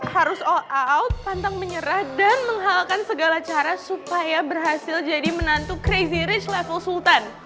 harus all out pantang menyerah dan menghalalkan segala cara supaya berhasil jadi menantu crazy rich level sultan